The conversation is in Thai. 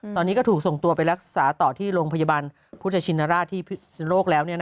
ตอนนี้ก็ถูกส่งตัวไปรักษาต่อที่โรงพยาบาลพุทธชินราชที่พิศนโลกแล้ว